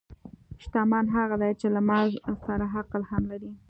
شتمن هغه دی چې له مال سره عقل هم لري.